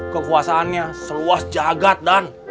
kekuasaannya seluas jagad dan